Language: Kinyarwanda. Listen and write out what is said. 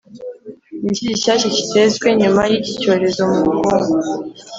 Ni iki gishyashya kitezwe nyuma y’iki cyorezo mu bukungu?